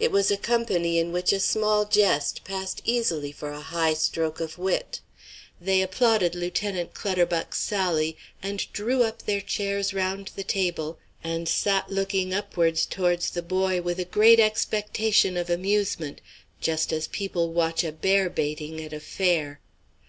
It was a company in which a small jest passed easily for a high stroke of wit. They applauded Lieutenant Clutterbuck's sally, and drew up their chairs round the table and sat looking upwards towards the boy, with a great expectation of amusement, just as people watch a bear baiting at a fair.